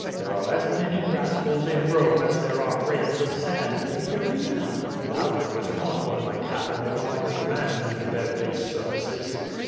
There are as many rascals in Bome as there are grains of sand in the Arena. Thou knowest not what might happen if an honest man needed their base ser vices.